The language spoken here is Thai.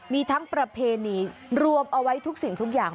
มีทั้งประเพณีรวมเอาไว้ทุกสิ่งทุกอย่าง